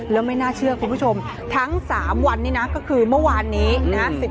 แล้วไม่น่าเชื่อคุณผู้ชมทั้ง๓วันนี้นะก็คือเมื่อวานนี้นะฮะ